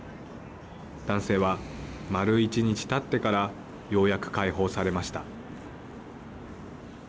男性は丸１日たってからようやく解放されました。